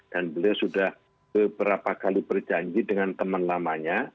dan beliau sudah beberapa kali berjanji dengan teman lamanya